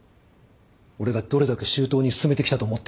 俺がどれだけ周到に進めてきたと思っている。